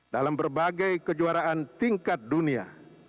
dalam berbagai kejuaraan tingkat dunia